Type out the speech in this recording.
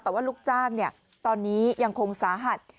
แต่ว่าลูกจ้างตอนนี้ยังคงสาหัส